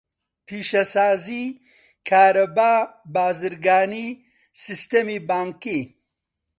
پیشەسازی، کارەبا، بازرگانی، سیستەمی بانکی.